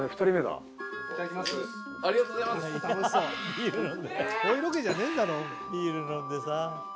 ビール飲んでさ。